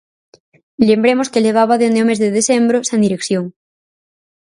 Lembremos que levaba dende o mes de decembro sen dirección.